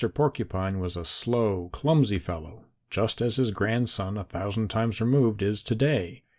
Porcupine was a slow clumsy fellow, just as his grandson a thousand times removed is to day.